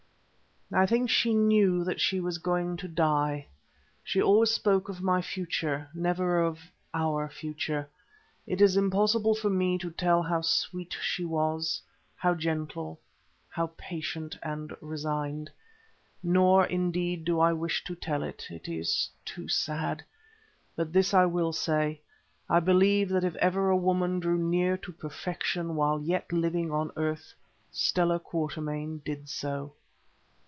I think she knew that she was going to die; she always spoke of my future, never of our future. It is impossible for me to tell how sweet she was; how gentle, how patient and resigned. Nor, indeed, do I wish to tell it, it is too sad. But this I will say, I believe that if ever a woman drew near to perfection while yet living on the earth, Stella Quatermain did so.